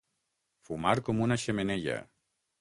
Fumar com una xemeneia.